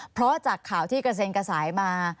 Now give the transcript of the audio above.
เพราะจากข่าวที่กระเซ็นกระสายมา